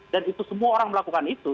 dan itu semua orang melakukan itu